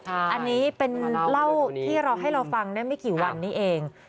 อันนี้เป็นเล่าที่เราให้เราฟังได้ไม่กี่วันนี้เอง